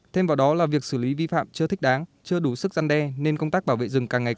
thêm vào đó là việc xử lý vi phạm chưa thích đáng chưa đủ sức gian đe nên công tác bảo vệ rừng càng ngày càng